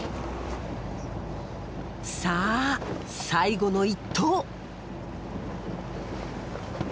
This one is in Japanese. さあ最後の一投！